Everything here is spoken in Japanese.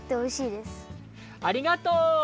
ありがとう！